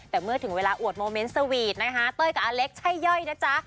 แต่เมื่อถึงเวลาอวดโมเมนต์สวีทนะคะเต้ยกับอเล็กใช่ย่อยนะจ๊ะ